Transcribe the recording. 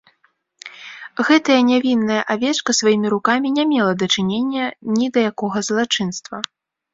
Гэтая нявінная авечка сваімі рукамі не мела дачынення ні да якога злачынства.